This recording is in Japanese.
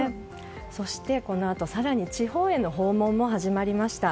そして、このあと更に地方への訪問も始まりました。